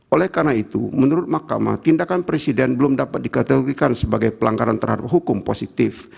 oleh karena itu menurut mahkamah tindakan presiden belum dapat dikategorikan sebagai pelanggaran terhadap hukum positif